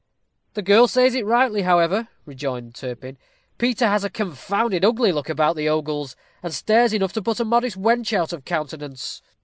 "The girl says rightly, however," rejoined Turpin; "Peter has a confounded ugly look about the ogles, and stares enough to put a modest wench out of countenance.